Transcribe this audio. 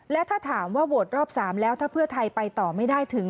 และถ้าถามว่าโหวตรอบ๓แล้วถ้าเพื่อไทยไปต่อไม่ได้ถึง